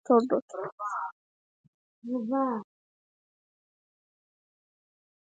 The rail yards were transferred to new locations north and east of Toronto.